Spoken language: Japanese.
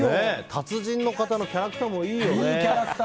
達人の方のキャラクターもいいよね。